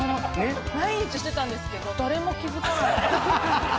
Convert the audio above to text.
毎日してたんですけど誰も気付かないので。